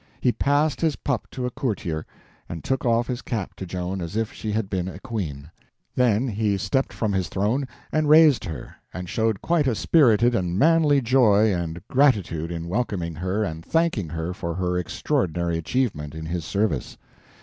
He passed his pup to a courtier, and took off his cap to Joan as if she had been a queen. Then he stepped from his throne and raised her, and showed quite a spirited and manly joy and gratitude in welcoming her and thanking her for her extraordinary achievement in his service.